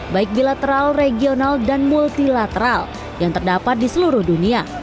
baik bilateral regional dan multilateral yang terdapat di seluruh dunia